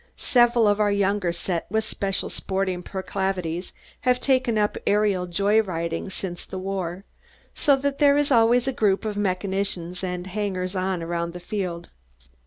Several of our younger set with special sporting proclivities have taken up aerial joy riding since the war, so that there is always a group of mechanicians and hangers on around the field.